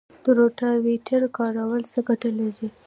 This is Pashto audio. د روټاویټر کارول څه ګټه لري؟